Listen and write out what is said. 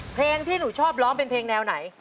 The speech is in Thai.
เพลงที่หนูชอบร้องเป็นเพลงแนวไหน